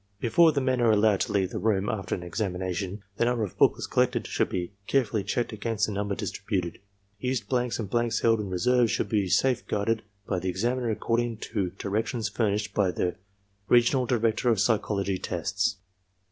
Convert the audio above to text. Before the men are allowed to leave the room after an examination, the number of booklets collected should be carefully checked against the number distributed. Used blanks and blanks held in reserve should be safeguarded by the examiner accord ing to directions furnished by the Regional Director of Psychological Tests.